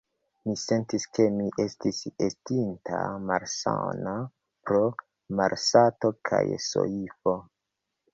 Mi sentis, ke mi estis estinta malsana pro malsato kaj soifo.